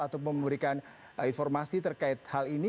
atau memberikan informasi terkait hal ini